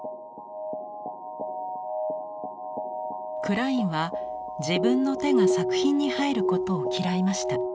クラインは自分の手が作品に入ることを嫌いました。